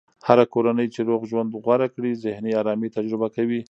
هره کورنۍ چې روغ ژوند غوره کړي، ذهني ارامي تجربه کوي.